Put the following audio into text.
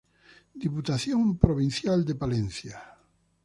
Diputación Provincial de Palencia.